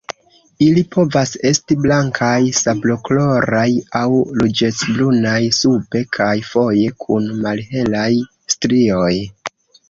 Ili povas esti blankaj, sablokoloraj aŭ ruĝecbrunaj sube, kaj foje kun malhelaj strioj.